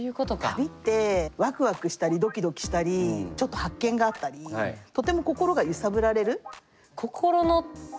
旅ってワクワクしたりドキドキしたりちょっと発見があったりとてもはい！